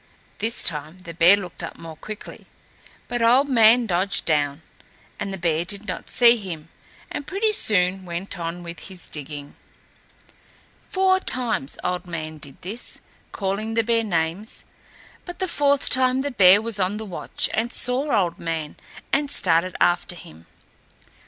This time the bear looked up more quickly, but Old Man dodged down, and the bear did not see him, and pretty soon went on with his digging. Four times Old Man did this, calling the bear names, but the fourth time the bear was on the watch and saw Old Man, and started after him.